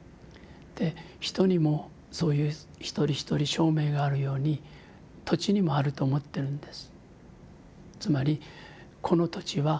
人にもそういう一人一人召命があるように土地にもあると思ってるんです。